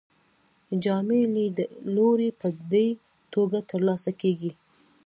جامع لیدلوری په دې توګه ترلاسه کیږي.